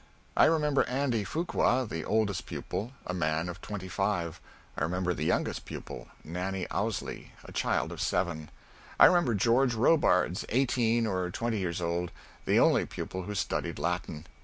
I remember Andy Fuqua, the oldest pupil a man of twenty five. I remember the youngest pupil, Nannie Owsley, a child of seven. I remember George Robards, eighteen or twenty years old, the only pupil who studied Latin.